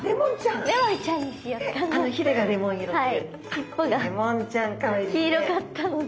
尻尾が黄色かったので。